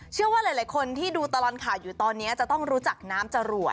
เชื่อว่าหลายคนที่ดูตลอดข่าวอยู่ตอนนี้จะต้องรู้จักน้ำจรวด